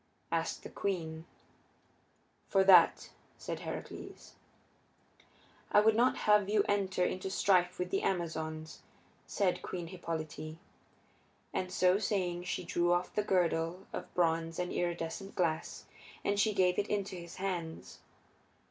asked the queen. "For that," said Heracles. "I would not have you enter into strife with the Amazons," said Queen Hippolyte. And so saying she drew off the girdle of bronze and iridescent glass, and she gave it into his hands.